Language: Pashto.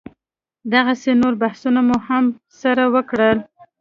دغسې نور بحثونه مو هم سره وکړل.